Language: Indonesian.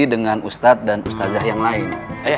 dengan ustadz dan ustazah yang lain